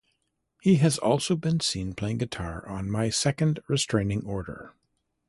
He has also been seen playing guitar on My Second Restraining Order.